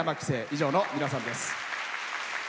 以上の皆さんです。